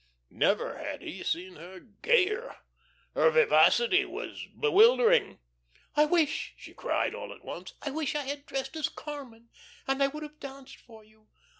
Never had he seen her gayer. Her vivacity was bewildering. "I wish," she cried, all at once, "I wish I had dressed as 'Carmen,' and I would have danced for you.